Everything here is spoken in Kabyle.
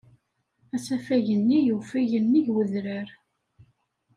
Asafag-nni yufeg nnig wedrar.